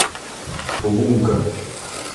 Ogbunka